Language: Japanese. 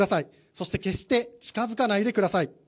そして、決して近付かないでください。